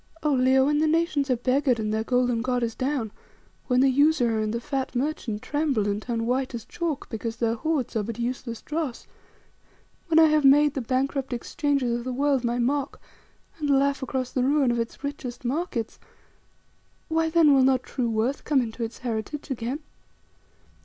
Oh! Leo, when the nations are beggared and their golden god is down; when the usurer and the fat merchant tremble and turn white as chalk because their hoards are but useless dross; when I have made the bankrupt Exchanges of the world my mock, and laugh across the ruin of its richest markets, why, then, will not true worth come to its heritage again?